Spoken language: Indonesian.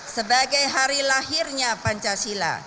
sebagai hari lahirnya pancasila